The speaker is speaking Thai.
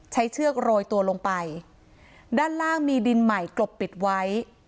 เชือกโรยตัวลงไปด้านล่างมีดินใหม่กลบปิดไว้